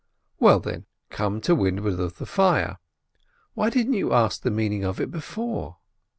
"Well, then, come to windward of the fire. Why didn't you ask the meaning of it before?"